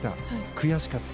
悔しかった。